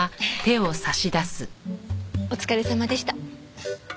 お疲れさまでした。